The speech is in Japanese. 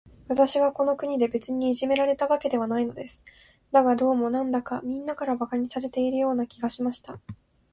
私はこの国で、別にいじめられたわけではないのです。だが、どうも、なんだか、みんなから馬鹿にされているような気がしました。